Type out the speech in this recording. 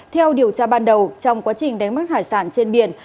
theo điều tra ban đầu trong quá trình đánh bắt hải sản trên biển